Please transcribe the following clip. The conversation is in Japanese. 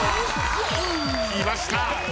きました。